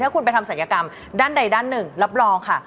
คุณไปทำศัลยกรรมด้านใดด้านหนึ่งรับรองค่ะ